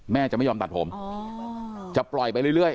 จะไม่ยอมตัดผมจะปล่อยไปเรื่อย